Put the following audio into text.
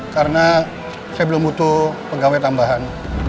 karena saya belum butuh pegawai tambahan